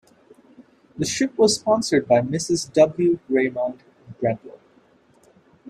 The ship was sponsored by Mrs. W. Raymond Brendel.